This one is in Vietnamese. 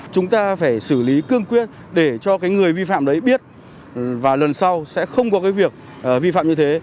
chúng ta phải xử lý cương quyết để cho cái người vi phạm đấy biết và lần sau sẽ không có cái việc vi phạm như thế